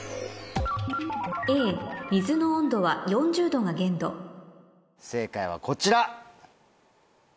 「Ａ水の温度は４０℃が限度」正解はこちら。